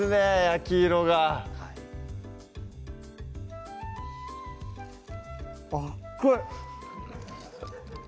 焼き色があっつい！